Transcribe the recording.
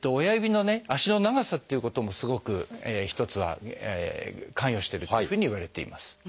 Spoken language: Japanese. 親指のね足の長さっていうこともすごく一つは関与しているっていうふうにいわれています。